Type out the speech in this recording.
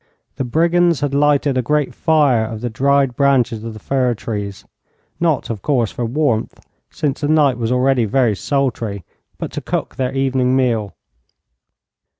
The brigands had lighted a great fire of the dried branches of the fir trees; not, of course, for warmth, since the night was already very sultry, but to cook their evening meal.